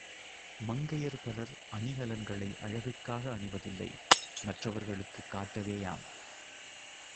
மங்கையர் பலர் அணிகலன்களை அழகுக்காக அணிவதில்லை மற்றவர்களுக்குக் காட்டவேயாம்.